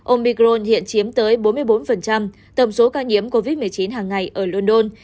omicron hiện chiếm tới bốn mươi bốn tổng số ca nhiễm covid một mươi chín hàng ngày ở london